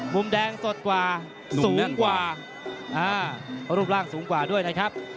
มุมแดงสดกว่าสูงกว่าอ่ารูปร่างสูงกว่าด้วยนะครับ